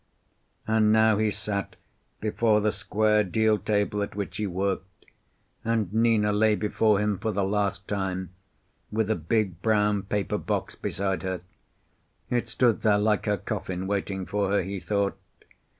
And now he sat before the square deal table at which he worked, and Nina lay before him for the last time with a big brown paper box beside her. It stood there like her coffin, waiting for her, he thought.